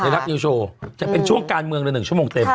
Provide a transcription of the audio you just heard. รับนิวโชว์จะเป็นช่วงการเมืองเลย๑ชั่วโมงเต็ม